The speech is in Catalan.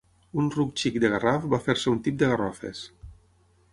Un ruc xic de Garraf va fer-se un tip de garrofes.